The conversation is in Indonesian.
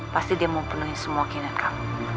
pasti dia mau penuhi semua keinginan kamu